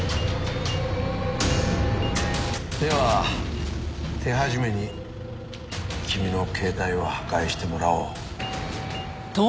では手始めに君の携帯を破壊してもらおう。